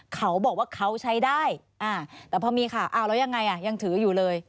เขาบอกว่าเขาใช้ได้แต่พอมีข่าวอ้าวแล้วยังไงอ่ะยังถืออยู่เลย